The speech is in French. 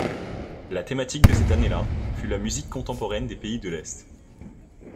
La thématique de cette année-là fut la musique contemporaine des pays de l'Est.